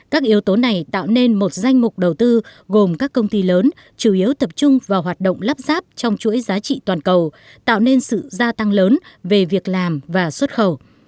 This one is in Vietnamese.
các yếu tố này tạo nên một danh mục đầu tư gồm các công ty lớn chủ yếu tập trung vào hoạt động lắp ráp trong chuỗi giá trị toàn cầu tạo nên sự gia tăng lớn về việc làm và xuất khẩu